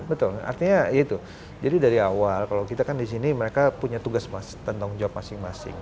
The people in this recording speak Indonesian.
iya betul artinya gitu jadi dari awal kalau kita kan di sini mereka punya tugas tentang job masing masing